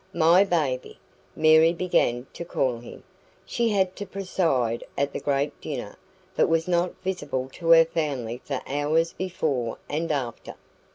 "MY baby," Mary began to call him. She had to preside at the great dinner, but was not visible to her family for hours before and after.